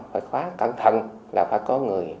phải khóa cẩn thận là phải có người